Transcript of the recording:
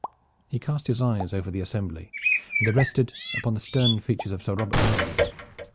He cast his eyes over the assembly, and they rested upon the stern features of Sir Robert Knolles.